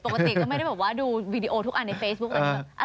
ปกติก็ไม่ได้บอกว่าดูวิดีโอทุกอันในเฟซบุ๊ค